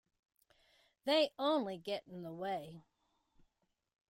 They only get in the way.